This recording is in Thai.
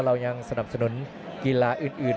เรายังสนับสนุนกีฬาอื่น